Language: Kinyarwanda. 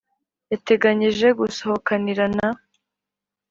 yateganyije gusohokanira na